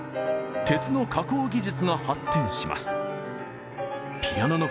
鉄の加工技術が発展します。